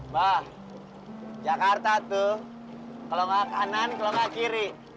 bah jakarta tuh kalau nggak kanan kalau nggak kiri